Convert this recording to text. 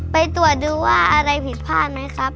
ไปตรวจดูว่าอะไรผิดพลาดไหมครับ